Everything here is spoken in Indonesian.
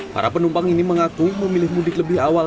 para penumpang ini mengaku memilih mudik lebih awal